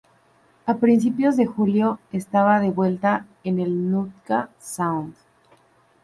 A principios de julio, estaba de vuelta en el Nutka Sound.